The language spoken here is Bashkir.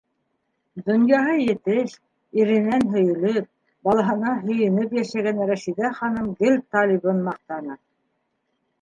Донъяһы етеш, иренән һөйөлөп, балаһына һөйөнөп йәшәгән Рәшиҙә ханым гел Талибын маҡтаны: